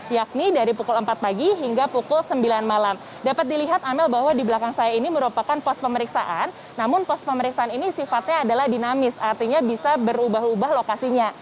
yakni dari pukul empat pagi hingga pukul sembilan malam dapat dilihat amel bahwa di belakang saya ini merupakan pos pemeriksaan namun pos pemeriksaan ini sifatnya adalah dinamis artinya bisa berubah ubah lokasinya